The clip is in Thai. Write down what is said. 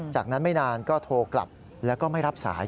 จากนั้นไม่นานก็โทรกลับแล้วก็ไม่รับสาย